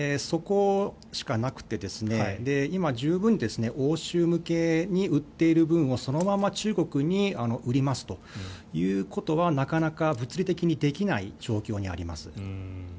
そこしかなくて今、十分に欧州向けに売っている分をそのまま中国に売りますということはなかなか物理的にできない状況にあります。